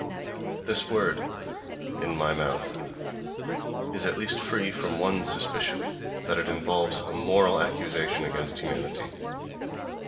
This word, in my mouth, is at least free from one suspicion: that it involves a moral accusation against humanity.